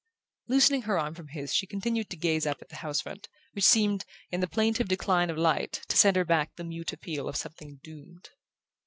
Loosening her arm from his she continued to gaze up at the house front, which seemed, in the plaintive decline of light, to send her back the mute appeal of something doomed.